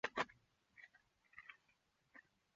霍亨布伦是德国巴伐利亚州的一个市镇。